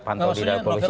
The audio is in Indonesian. pantau di dalam polisi